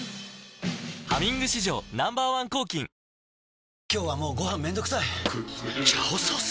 「ハミング」史上Ｎｏ．１抗菌今日はもうご飯めんどくさい「炒ソース」！？